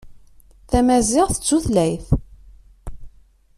Tamaziɣt d tutlayt.